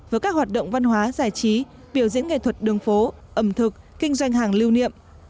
với các hoạt động văn hóa giải trí biểu diễn nghệ thuật đường phố ẩm thực kinh doanh hàng lưu niệm